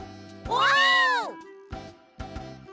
お！